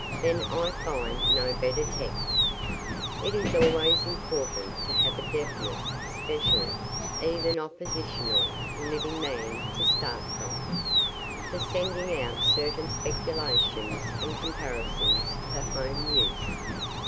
Then I find no better text, (it is always important to have a definite, special, even oppositional, living man to start from,) for sending out certain speculations and comparisons for home use.